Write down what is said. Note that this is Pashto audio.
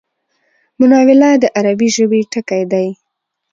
مناوله د عربي ژبی ټکی دﺉ.